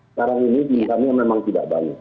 sekarang ini pilihannya memang tidak banyak